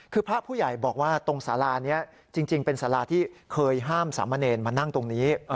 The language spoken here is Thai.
คือพระผู้ใหญ่บอกว่าตรงสารานี้จริงเป็นสาราที่เคยห้ามสามเณรมานั่งตรงนี้